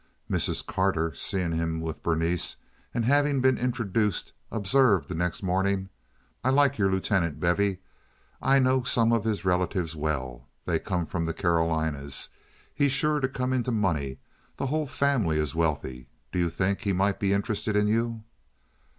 Mrs. Carter, seeing him with Berenice, and having been introduced, observed the next morning, "I like your Lieutenant, Bevy. I know some of his relatives well. They come from the Carolinas. He's sure to come into money. The whole family is wealthy. Do you think he might be interested in you?"